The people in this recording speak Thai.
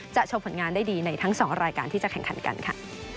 ชมผลงานได้ดีในทั้ง๒รายการที่จะแข่งขันกันค่ะ